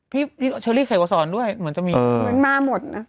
พี่เชอรี่ไข่มาสอนด้วยเหมือนจะมีเหมือนมาหมดนะ